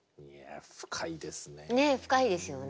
深いですね。